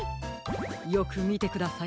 よくみてください。